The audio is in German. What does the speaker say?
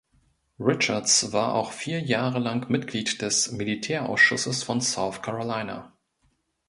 Richards war auch vier Jahre lang Mitglied des Militärausschusses von South Carolina.